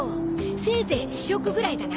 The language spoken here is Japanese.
せいぜい試食ぐらいだな。